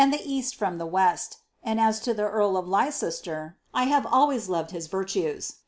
173 the east from the west ; and as to the earl of Leicester, I have always loved his virtues.